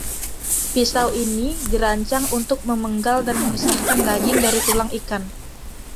Pisau ini dirancang untuk memenggal dan memisahkan daging dari tulang ikan.